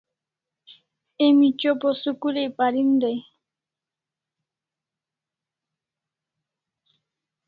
Emi chopa o school ai parin dai